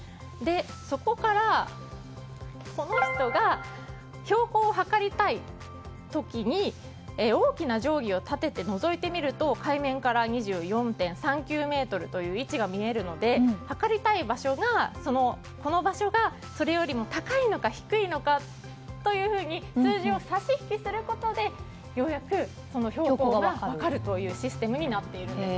そこからこの人が標高を測りたい時に大きな定規を立ててのぞいてみると海面から２４．３９ｍという位置が見えるので測りたい場所が、この場所がそれよりも高いのか低いのかというふうに数字を差し引きすることでようやく標高が分かるというシステムになっているんです。